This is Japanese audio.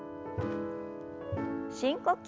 深呼吸。